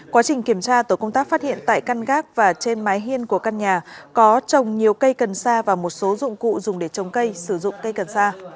quá trình kiểm tra tổ công tác phát hiện tại căn gác và trên mái hiên của căn nhà có trồng nhiều cây cần sa và một số dụng cụ dùng để trồng cây sử dụng cây cần sa